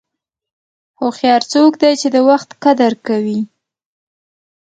هوښیار څوک دی چې د وخت قدر کوي.